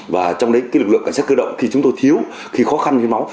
và trong đấy cái lực lượng cảnh sát cơ động khi chúng tôi thiếu khi khó khăn hiến máu